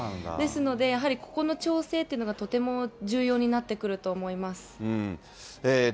ですので、やはりここの調整っていうのがとても重要になってくると思います。